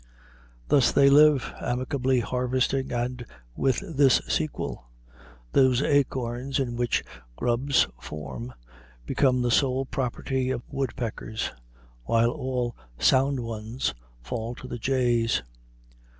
Thus they live, amicably harvesting, and with this sequel: those acorns in which grubs form become the sole property of woodpeckers, while all sound ones fall to the jays.